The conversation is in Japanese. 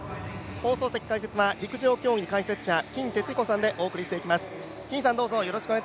放送席解説は陸上競技解説者、金哲彦さんで行います。